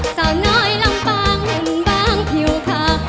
สาวน้อยลำปางเห็นบ้างผิวขาว